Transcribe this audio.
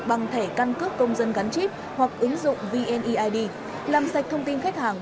bằng thẻ căn cước công dân gắn chip hoặc ứng dụng vneid làm sạch thông tin khách hàng